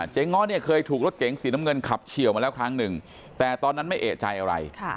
เงาะเนี่ยเคยถูกรถเก๋งสีน้ำเงินขับเฉียวมาแล้วครั้งหนึ่งแต่ตอนนั้นไม่เอกใจอะไร